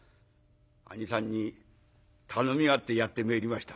「兄さんに頼みがあってやってめえりました」。